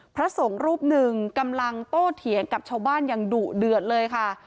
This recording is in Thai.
พระสงฆ์รูปหนึ่งกำลังโตเถียงกับชาวบ้านอย่างดุเดือดเลยค่ะ